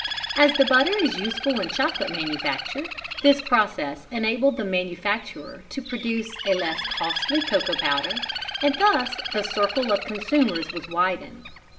As the butter is useful in chocolate manufacture, this process enabled the manufacturer to produce a less costly cocoa powder, and thus the circle of consumers was widened.